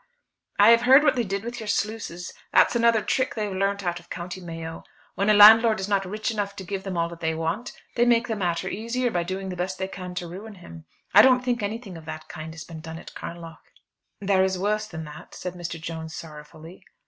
"I have heard what they did with your sluices. That's another trick they've learnt out of County Mayo. When a landlord is not rich enough to give them all that they want, they make the matter easier by doing the best they can to ruin him. I don't think anything of that kind has been done at Carnlough." "There is worse than that," said Mr. Jones sorrowfully.